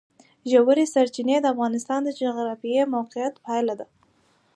ژورې سرچینې د افغانستان د جغرافیایي موقیعت پایله ده.